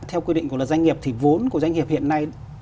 theo quy định của luật doanh nghiệp thì vốn của doanh nghiệp hiện nay